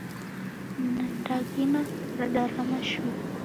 Ndaghina radarama shuu.